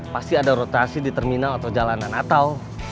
pasti ada rotasi di terminal atau jalanan natal